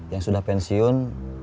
yang sudah pensiun